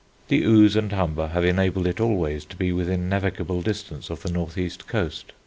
The Ouse and Humber have enabled it always to be within navigable distance of the North East coast.